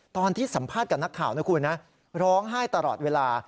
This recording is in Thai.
ตอนที่สัมภาษณ์กับนักข่าวนะคุณนะร้องไห้ตลอดเวลา